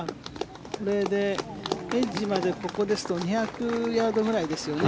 これでエッジまでここですと２００ヤードぐらいですね。